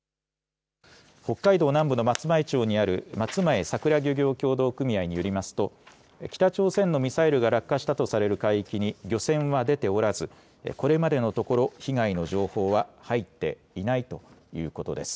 北海道南部の松前町にある松前さくら漁業協同組合によりますと北朝鮮のミサイルが落下したとされる海域に漁船は出ておらずこれまでのところ被害の情報は入っていないということです。